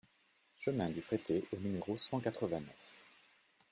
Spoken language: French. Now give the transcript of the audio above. Chemin du Frettey au numéro cent quatre-vingt-neuf